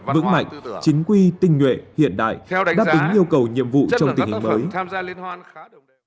vững mạnh chính quy tinh nguyện hiện đại đáp ứng yêu cầu nhiệm vụ trong tình hình mới